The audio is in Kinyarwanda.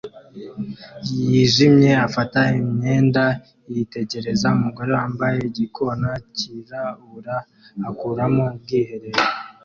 yijimye afata imyanda yitegereza umugore wambaye igikona cyirabura akuramo ubwiherero